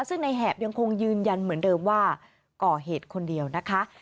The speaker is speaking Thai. ซึ่งในแหบยังคงยืนยันเหมือนเดิมว่าก่อเหตุคนเดียวนะคะ